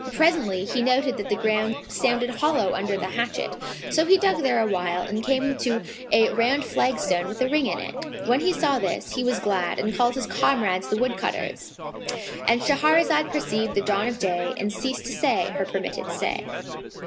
Presently he noted that the ground sounded hollow under the hatchet; so he dug there awhile and came to a round flagstone with a ring in it. When he saw this, he was glad and called his comrades the woodcutters,—And Shahrazad perceived the dawn of day and ceased to say her permitted say.